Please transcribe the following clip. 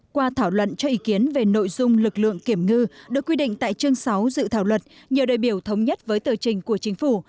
qua thảo luận cho ý kiến về nội dung lực lượng kiểm ngư được quy định tại chương sáu dự thảo luật nhiều đại biểu thống nhất với tờ trình của chính phủ